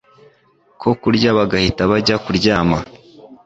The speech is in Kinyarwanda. ko kurya bagahita bajya kuryama.